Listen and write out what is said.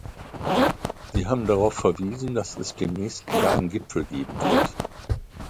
Sie haben darauf verwiesen, dass es demnächst wieder einen Gipfel geben wird.